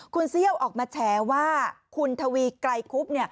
คุณเซี่ยวออกมาแฉว่าคุณทวีไกลคุบ